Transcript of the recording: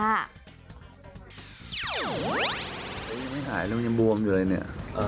ยังไม่หายแล้วยังมันยังบวงเลยเนี่ย